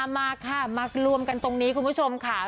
มาค่ะมารวมกันตรงนี้คุณผู้ชมค่ะ